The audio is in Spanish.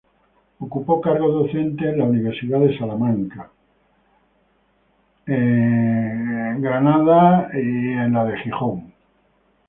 Ocupó cargos docentes en las Universidades de Kansas Estatal, Cornell, Harvard, Colorado Estatal.